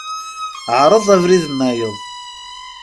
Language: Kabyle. Ɛṛeḍ abrid-nnayeḍ.